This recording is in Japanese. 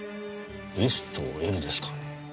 ＳとＬですかね？